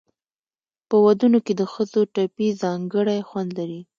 په ودونو کې د ښځو ټپې ځانګړی خوند لري.